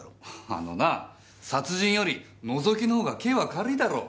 あのな殺人よりのぞきのほうが刑は軽いだろ。